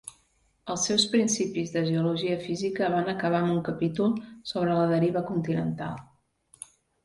Els seus "Principis de Geologia Física" van acabar amb un capítol sobre la deriva continental.